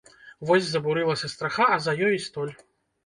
Вось забурылася страха, а за ёй і столь.